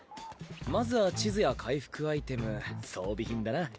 まずは地図や回復アイテム装備品だな。